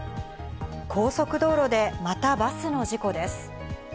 高速道路でまたバスの事故です。